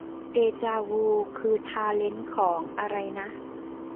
เดจาวู คือทาเลนท์ของ อะไรนะ